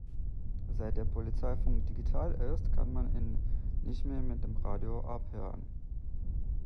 Seit der Polizeifunk digital ist, kann man ihn nicht mehr mit dem Radio abhören.